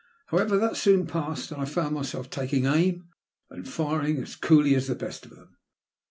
However, that soon passed, and I found myself takuig aim, and firing as coolly as the best of them.